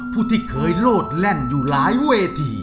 ผู้ที่เคยโลดแล่นอยู่หลายเวที